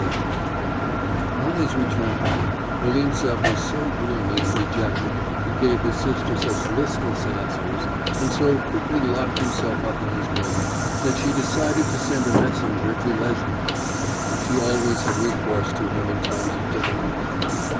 VIII On his return home, Volintsev was so gloomy and dejected, he gave his sister such listless answers, and so quickly locked himself up in his room, that she decided to send a messenger to Lezhnyov. She always had recourse to him in times of difficulty.